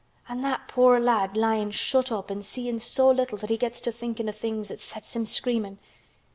"An' that poor lad lyin' shut up an' seein' so little that he gets to thinkin' o' things as sets him screamin'.